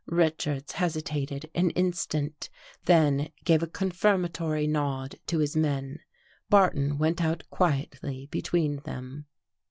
Richards hesitated an instant, then gave a confirm atory nod to his men. Barton went out quietly between them.